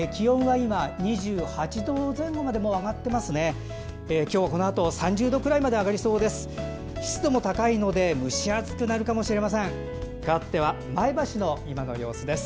今日このあと３０度くらいまで上がりそうです。